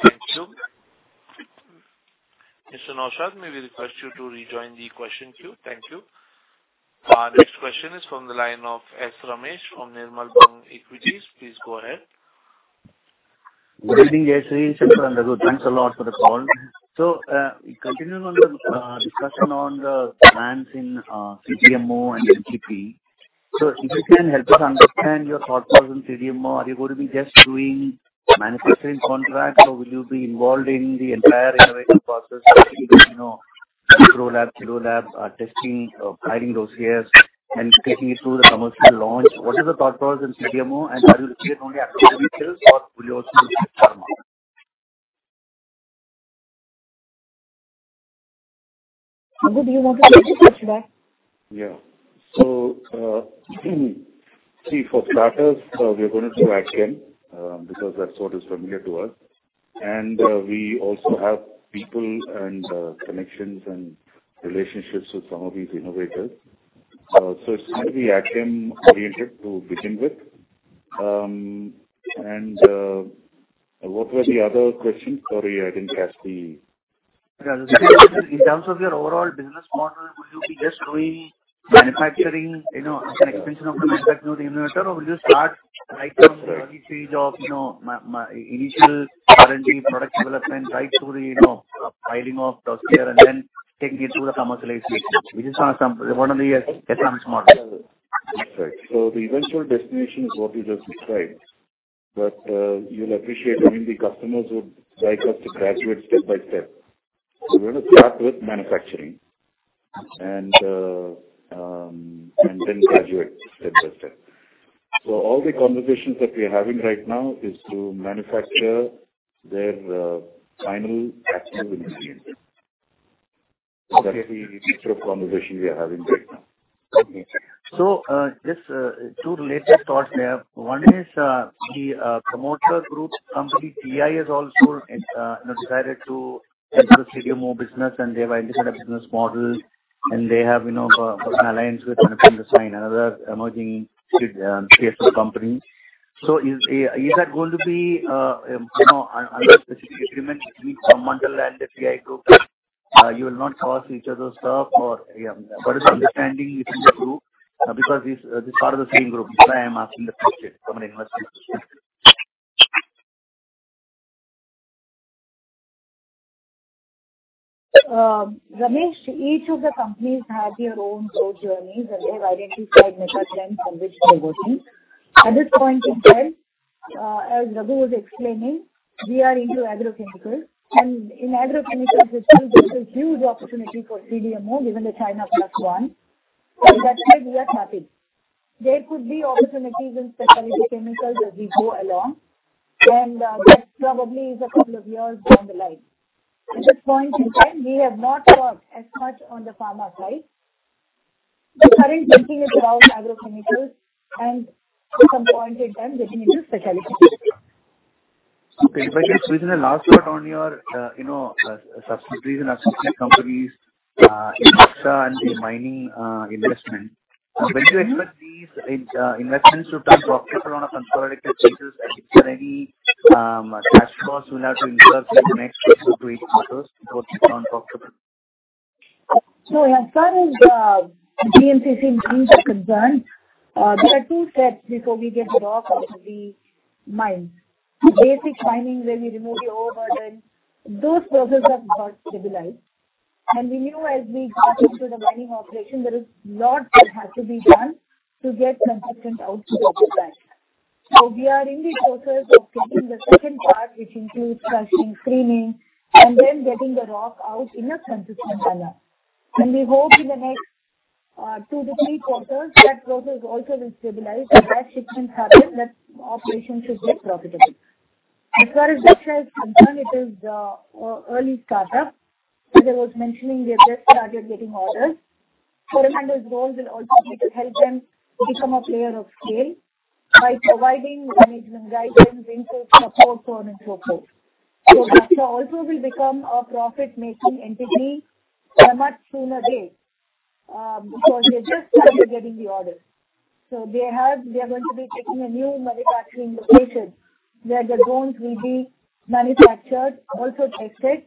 Thank you. Mr. Naushad, may we request you to rejoin the question queue? Thank you. Our next question is from the line of S. Ramesh from Nirmal Bang Equities. Please go ahead. Good evening, Sri Sundar. Thanks a lot for the call. Continuing on the discussion on the plans in CDMO and MPP. If you can help us understand your thought process in CDMO, are you going to be just doing manufacturing contracts, or will you be involved in the entire innovation process? You know, prolab, dulab, testing, filing those years and taking it through the commercial launch. What is the thought process in CDMO, and are you looking at only actual details or will you also do pharma? Do you want to answer that? Yeah. see, for starters, we are going to do agchem, because that's what is familiar to us. We also have people and connections and relationships with some of these innovators. it's going to be AgChem-oriented to begin with. what were the other questions? Sorry, I didn't catch the Yeah. In terms of your overall business model, will you be just doing manufacturing, you know, as an extension of the manufacturer, the innovator, or will you start right from the early stage of, you know, initial R&D, product development, right through the, you know, filing of dossier and then taking it through the commercialization, which is one of the, one of the FM model. Right. The eventual destination is what you just described, but, you'll appreciate, I mean, the customers would like us to graduate step by step. We're going to start with manufacturing and then graduate step by step. All the conversations that we are having right now is to manufacture their final actual ingredient. That is the nature of conversation we are having right now. Okay. Just 2 related thoughts I have. One is, the promoter group company, TI, has also decided to enter the CDMO business, and they've already had a business model, and they have, you know, an alliance with another emerging CSO company. Is, is that going to be, you know, under specific agreement between Coromandel and the TI group? You will not cause each other's stuff or, yeah, what is the understanding between the group? Because this, this is part of the same group. That's why I'm asking the question from an investment. Ramesh, each of the companies have their own growth journeys, and they've identified mega trends on which they're working. At this point in time, as Raghu was explaining, we are into agrochemicals, and in agrochemicals, there's a huge opportunity for CDMO, given the China +1. That's why we are starting. There could be opportunities in specialty chemicals as we go along, and that probably is a couple of years down the line. At this point in time, we have not worked as much on the pharma side. The current thinking is around agrochemicals and some point in time getting into specialty. Okay, if I just switch the last part on your, you know, subsidiaries and our companies, and the mining, investment. Mm-hmm. When do you expect these investments to turn profitable on a consolidated basis? Is there any cash flows we'll have to invest in the next six to eight quarters before it's non-profitable? As far as BMCC is concerned, there are two steps before we get the rock out of the mine. Basic mining, where we remove the overburden, those processes have got stabilized. We knew as we got into the mining operation, there is lots that has to be done to get consistent output of the mine. We are in the process of getting the second part, which includes crushing, screening, and then getting the rock out in a consistent manner. We hope in the next two to three quarters, that process also will stabilize, and as shipments happen, that operation should get profitable. As far as Dhaksha is concerned, it is early startup. As I was mentioning, we have just started getting orders. Coromandel's role will also be to help them become a player of scale by providing management guidance, input, support, so on and so forth. Dhaksha also will become a profit-making entity at a much sooner date, because we have just started getting the orders. They have-- We are going to be taking a new manufacturing location, where the drones will be manufactured, also tested,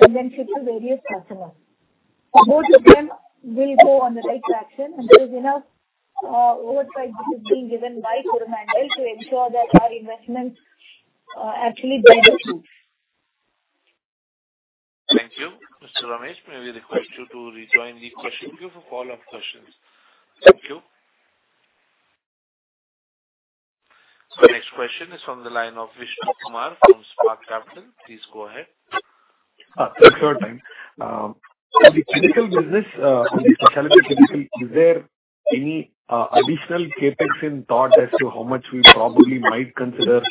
and then shipped to various customers. Both of them will go on the right traction, and there is enough oversight which is being given by Coromandel to ensure that our investments actually bear the fruits. Thank you. Mr. Ramesh, may we request you to rejoin the question queue for follow-up questions? Thank you. The next question is from the line of Vishnu Kumar from Spark Capital. Please go ahead. third time. In the chemical business, on the specialty chemical, is there any additional CapEx in thought as to how much we probably might consider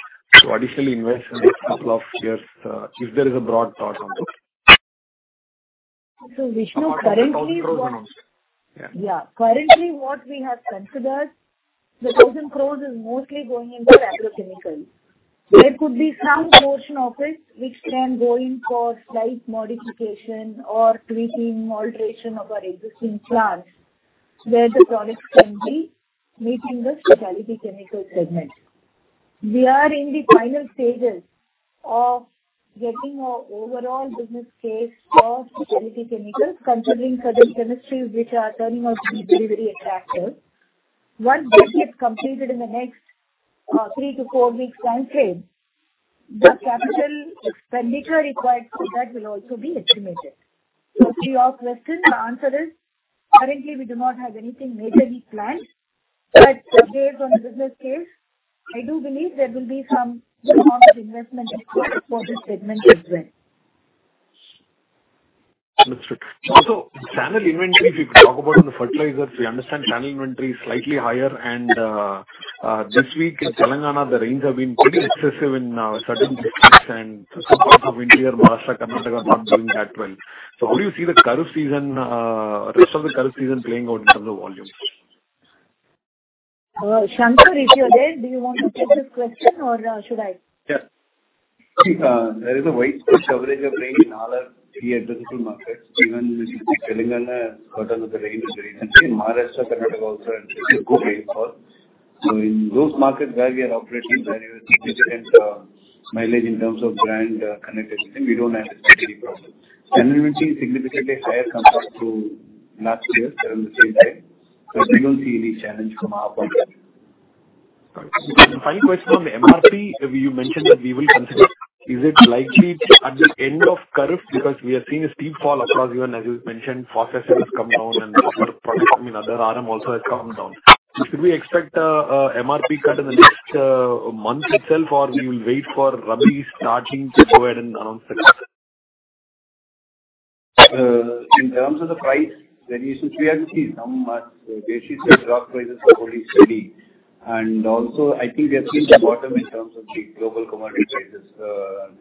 to additionally invest in the next 2 years, if there is a broad thought on this? Vishnu, currently what Yeah. Yeah. Currently, what we have considered, the 1,000 crores is mostly going into agrochemicals. There could be some portion of it which can go in for slight modification or tweaking, alteration of our existing plants, where the products can be meeting the specialty chemical segment. We are in the final stages of getting our overall business case for specialty chemicals, considering certain chemistries which are turning out to be very, very attractive. Once that gets completed in the next, three to four weeks time frame, the capital expenditure required for that will also be estimated. To your question, the answer is, currently we do not have anything majorly planned, but based on the business case, I do believe there will be some modest investment required for this segment as well. Understood. Channel inventory, if we could talk about on the fertilizers. We understand channel inventory is slightly higher, and, this week in Telangana, the rains have been pretty excessive in certain districts and some parts of interior Maharashtra, Karnataka not doing that well. How do you see the Kharif season, rest of the Kharif season playing out in terms of volumes? Shankar, if you're there, do you want to take this question or should I? Yes. There is a widespread coverage of rain in all our three agricultural markets. Even if you see Telangana, part of the rain is very... I think Maharashtra, Karnataka also had a good rainfall. In those markets where we are operating, there is a significant mileage in terms of brand connectivity. We don't anticipate any problem. Channel inventory is significantly higher compared to last year around the same time, but we don't see any challenge from our point of view. Right. Final question on the MRP, you mentioned that we will consider. Is it likely at the end of Kharif? Because we are seeing a steep fall across even as you mentioned, Phosphorus has come down and other product, I mean, other RM also has come down. Should we expect a MRP cut in the next month itself, or we will wait for Rabi starting to go ahead and announce the cut? In terms of the price, we need to actually see some basic rock prices holding steady. Also, I think we have seen the bottom in terms of the global commodity prices.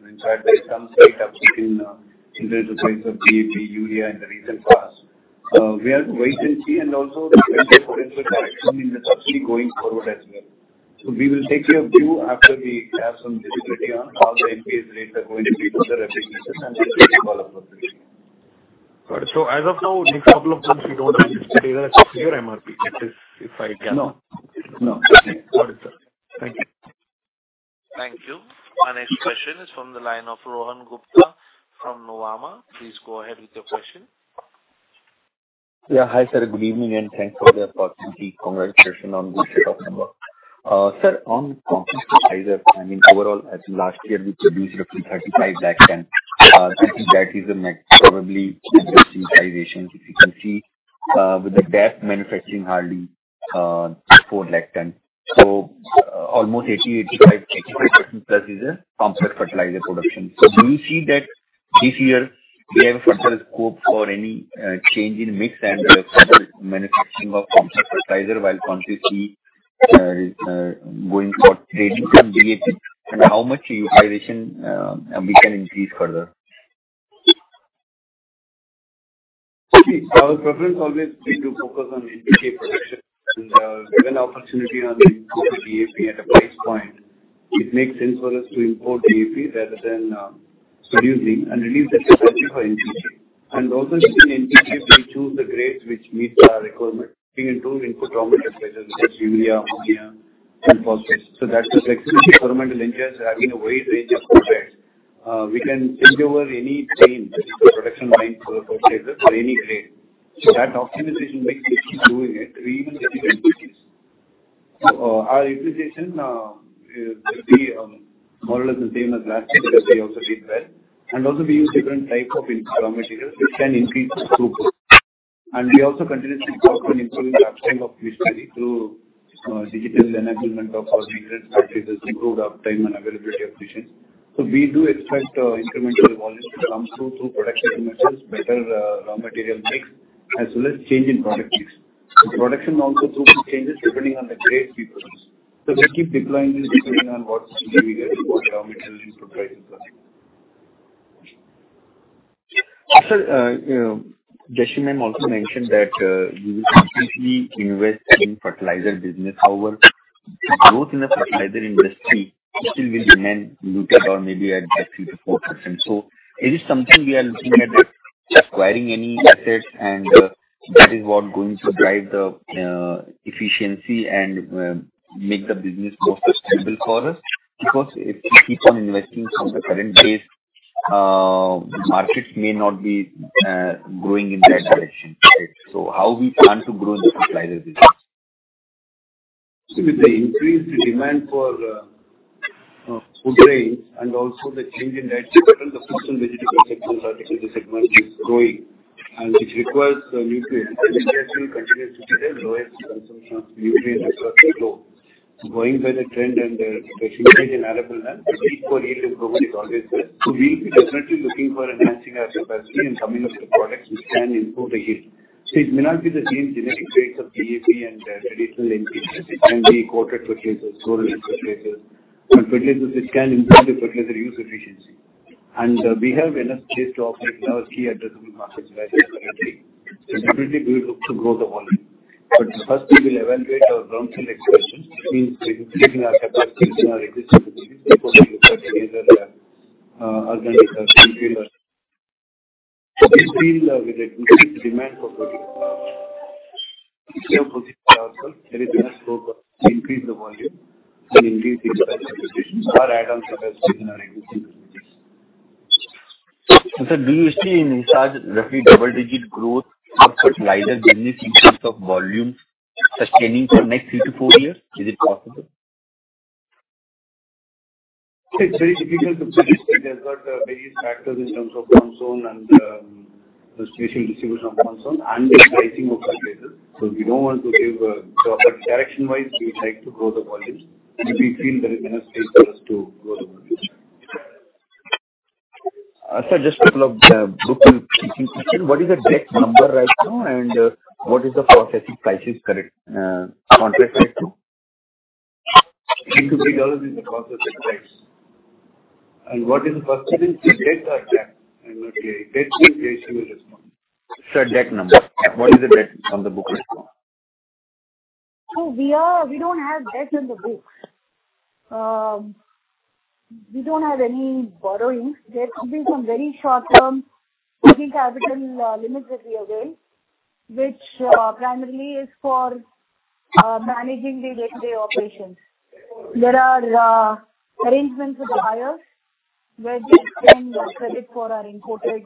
In fact, there is some slight uptick in the price of DAP, urea, in the recent past. We have to wait and see, and also the potential coming in the subsidy going forward as well. We will take a view after we have some visibility on all the input rates are going to be for the Rabi season and the overall operation. Got it. As of now, next couple of months, we don't expect any clear MRP, that is, if I can- No. No. Got it, sir. Thank you. Thank you. Our next question is from the line of Rohan Gupta from Nuvama. Please go ahead with your question. Yeah. Hi, sir. Good evening, and thanks for the opportunity. Congratulations on good set of number. Sir, on complex fertilizer, I mean, overall, as last year, we produced roughly 35 lakh tons. I think that is the next, probably, increasing utilization. If you can see, with the DAP manufacturing hardly, 4 lakh tons. Almost 80, 85, 85% plus is a complex fertilizer production. Do you see that this year we have a further scope for any change in mix and further manufacturing of complex fertilizer while continuously going for trading and DAP, and how much utilization we can increase further? Our preference always be to focus on NPK production, and given the opportunity on to import DAP at a price point, it makes sense for us to import DAP rather than producing and release the capacity for NPK. Also within NPK, we choose the grades which meets our requirement. We improve input raw materials, such as urea, ammonia, and phosphate. That's the flexibility. Raw materials are having a wide range of suppliers. We can endure any change in the production line for the purchases for any grade. That optimization makes we keep doing it to even the NPKs. Our utilization will be more or less the same as last year, because we also did well. Also we use different type of input raw materials, which can increase the throughput. We also continuously focus on improving the uptime of chemistry through digital enablement of our ingredients, which has improved uptime and availability of machines. We do expect incremental volumes to come through, through production improvements, better raw material mix, as well as change in product mix. The production also goes through changes depending on the grade we produce. We keep deploying this depending on what we get, what raw materials we provide. Sir, you know, Jeshima also mentioned that, you will completely invest in fertilizer business. However, growth in the fertilizer industry still will remain muted or maybe at 3%-4%. Is this something we are looking at, acquiring any assets, and that is what going to drive the efficiency and make the business more sustainable for us? Because if we keep on investing from the current base, markets may not be growing in that direction, right? How we plan to grow the fertilizer business? With the increased demand for food grains and also the change in diet pattern, the fruit and vegetable sector, the segment is growing, and it requires nutrients. Industry continues to see the lowest consumption of nutrient as of now. Going by the trend and the change in available land, the need for yield is probably always there. We'll be definitely looking for enhancing our capacity and coming up with the products which can improve the yield. It may not be the same genetic traits of DAP and traditional NPKs. It can be coated fertilizers, fertile fertilizers, but fertilizers which can improve the fertilizer use efficiency. We have enough chase to operate in our key addressable markets right away. Definitely we look to grow the volume. First we will evaluate our brownfield expansion, which means taking our capacity in our existing facilities, before we look at either, organic or greenfield. We feel, with a unique demand for product. We have position ourselves, there is enough scope of increase the volume and increase the capacity or add on capacity in our existing facilities. sir, do you see in Hisar, roughly double-digit growth for fertilizer business in terms of volume sustaining for next 3-4 years? Is it possible? It's very difficult to predict. There's got various factors in terms of monsoon and the spatial distribution of monsoon and the pricing of fertilizers. We don't want to give. Direction-wise, we would like to grow the volume, and we feel there is enough space for us to grow the volume. Sir, just to follow up the booking question, what is the debt number right now, and what is the processing prices current contract right now? $2-$3 is the processing price. What is the processing debt or cap? I'm not really... Debt, we'll respond. Sir, debt number. What is the debt on the book right now? We don't have debt on the books. We don't have any borrowings. There have been some very short-term working capital limits that we avail, which primarily is for managing the day-to-day operations. There are arrangements with the buyers, where we extend credit for our imported.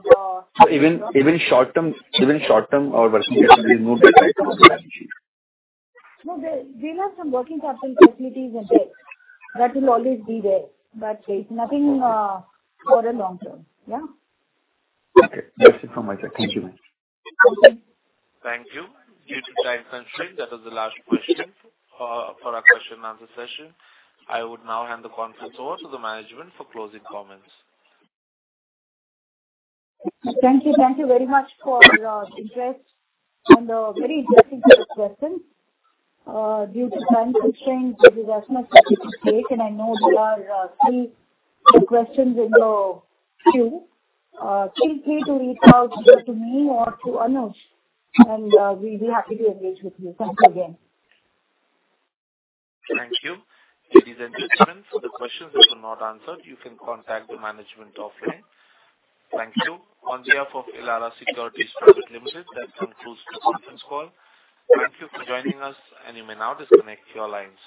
Even, even short-term, even short-term or working capital is not a right strategy? No, there, we have some working capital facilities and debt. That will always be there, but there's nothing for the long term. Yeah. Okay. That's it from my side. Thank you, ma'am. Welcome. Thank you. Due to time constraint, that is the last question for our question and answer session. I would now hand the conference over to the management for closing comments. Thank you. Thank you very much for your interest and, very interesting questions. Due to time constraint, there is not much time to take, and I know there are three questions in the queue. Feel free to reach out either to me or to Anosh, and we'll be happy to engage with you. Thanks again. Thank you. Ladies and gentlemen, for the questions that were not answered, you can contact the management offline. Thank you. On behalf of Elara Securities Private Limited, that concludes the conference call. Thank you for joining us, and you may now disconnect your lines.